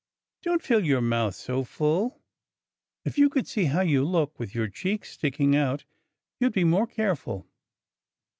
Don't fill your mouth so full! If you could see how you look, with your cheeks sticking out, you'd be more careful."